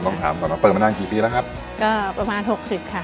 ต้องถามก่อนว่าเปิดมานานกี่ปีแล้วครับก็ประมาณหกสิบค่ะ